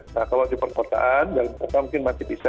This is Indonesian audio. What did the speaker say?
nah kalau di perkotaan dalam kota mungkin masih bisa